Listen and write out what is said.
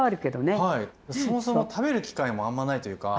そもそも食べる機会もあんまないというか。